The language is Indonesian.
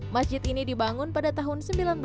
masjid ini dibangun pada tahun seribu sembilan ratus enam